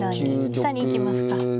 下に行きますか。